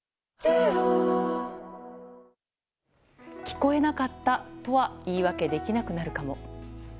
聞こえなかったとは言い訳できなくなるかも。